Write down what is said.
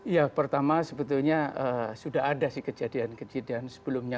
ya pertama sebetulnya sudah ada sih kejadian kejadian sebelumnya